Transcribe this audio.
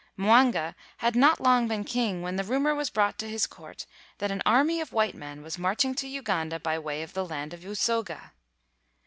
Mwanga had not long been king when the rumor was brought to his court that an army of white men was marching to Uganda by way of the land of Usoga.